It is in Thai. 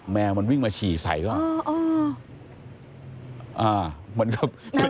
แมวมันว่งมาฉี่ใสก็